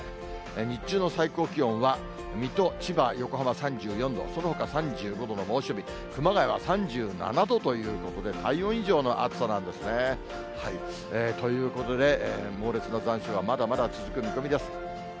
日中の最高気温は、水戸、千葉、横浜、３４度、そのほか３５度の猛暑日、熊谷は３７度ということで、体温以上の暑さなんですね。ということで、猛烈な残暑はまだまだ続く見込みです。